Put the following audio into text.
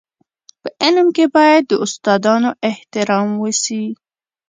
په علم کي باید د استادانو احترام وسي.